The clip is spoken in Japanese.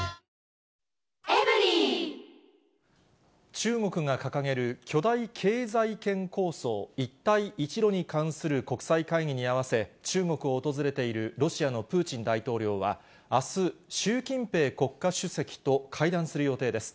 中国が掲げる巨大経済圏構想、一帯一路に関する国際会議に合わせ、中国を訪れているロシアのプーチン大統領は、あす、習近平国家主席と会談する予定です。